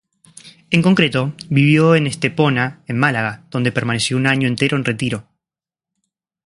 En concreto vivió en Estepona en Málaga donde permaneció un año entero en retiro.